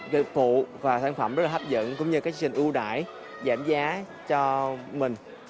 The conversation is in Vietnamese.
cái phụ và sản phẩm rất là hấp dẫn cũng như cái chương trình ưu đại giảm giá cho mình